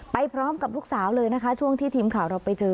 ไปพร้อมกับลูกสาวเลยนะคะช่วงที่ทีมข่าวเราไปเจอ